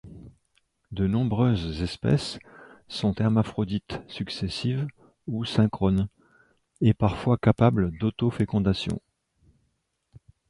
De nombreuses espèces sont hermaphrodites successives ou synchrones, et parfois capables d'auto-fécondation.